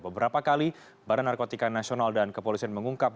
sepertinya kalau aku pennsylvania untuk mendatangi anak tua itu